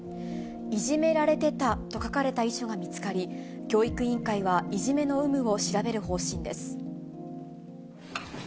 いじめられてたと書かれた遺書が見つかり、教育委員会はいじめの有無を調べる方針です。